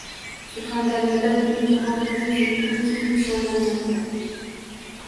Surxondaryoda Butunjahon turizm kuni keng nishonlanmoqda